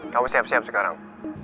kamu siap siap sekarang